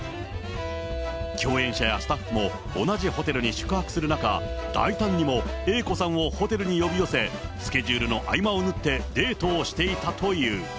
共演者やスタッフも同じホテルに宿泊する中、大胆にもＡ子さんをホテルに呼び寄せ、スケジュールの合間を縫ってデートをしていたという。